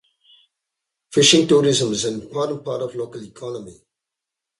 Fishing tourism is an important part of the local economy.